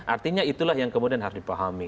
artinya itulah yang kemudian harus dipahami